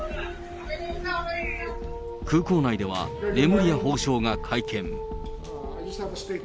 空港内ではレムリヤ法相が会見。